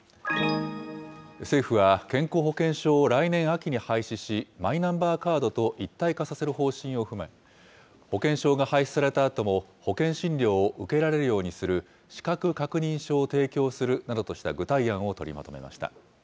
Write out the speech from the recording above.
政府は健康保険証を来年秋に廃止し、マイナンバーカードと一体化させる方針を踏まえ、保険証が廃止されたあとも保険診療を受けられるようにする、資格確認書を提供するなどとした具体案を取りまとめました。